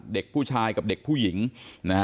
เด็กผู้ชายกับเด็กผู้หญิงนะฮะ